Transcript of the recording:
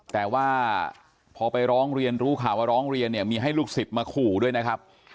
แต่ว่าพอไปร้องเรียนรู้ข่าวว่าร้องเรียนเนี่ยมีให้ลูกศิษย์มาขู่ด้วยนะครับ